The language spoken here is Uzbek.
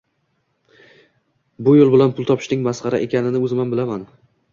Bu jo‘l bilan pul topishding masxara ekanini o‘zimam bilaman